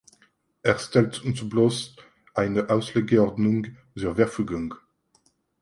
Er stellt uns bloss eine Auslegeordnung zur Verfügung.